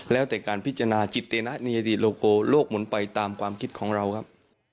แล้วแต่การพิจารณาจิตนะในอดีตโลโกโลกหมุนไปตามความคิดของเราครับ